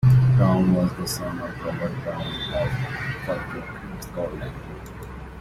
Browne was the son of Robert Browne of Falkirk, Scotland.